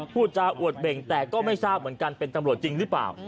พูดจาอวดเบ่งแต่ก็ไม่ทราบเหมือนกันเป็นตำรวจจริงหรือเปล่า